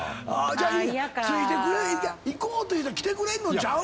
じゃあ行こうと言うたら来てくれんのちゃう？